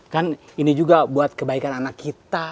kan ini juga buat kebaikan anak kita